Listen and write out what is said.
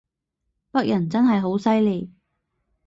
北人真係好犀利